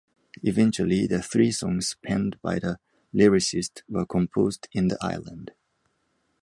Eventually, the three songs penned by the lyricist were composed in the island.